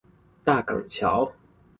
大港橋